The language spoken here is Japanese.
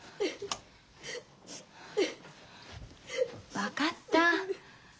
分かった。